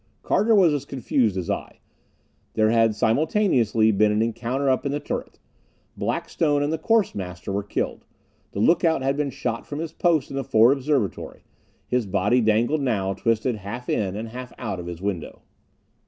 Carter was as confused as I. There had simultaneously been an encounter up in the turret. Blackstone and the course master were killed. The lookout had been shot from his post in the forward observatory. His body dangled now, twisted half in and half out of his window.